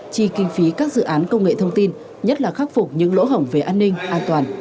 chi kinh phí các dự án công nghệ thông tin nhất là khắc phục những lỗ hổng về an ninh an toàn